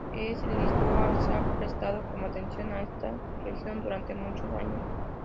En Lisboa se ha prestado poca atención a esta región durante muchos años.